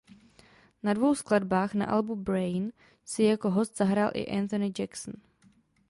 Na dvou skladbách na albu "Brain" si jako host zahrál i Anthony Jackson.